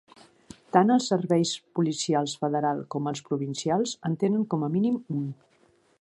Tant els serveis policials federal com els provincials en tenen com a mínim un.